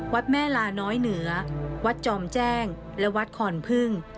วัดแม่ลาน้อยเหนือวัดจอมแจ้งและวัดคอนพึ่ง